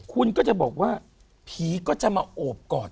คุณก็จะบอกว่าผีก็จะมาโอบกอด